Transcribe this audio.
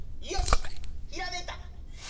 よしひらめいた！